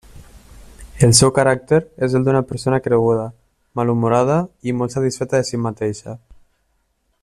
El seu caràcter és el d'una persona creguda, malhumorada i molt satisfeta de si mateixa.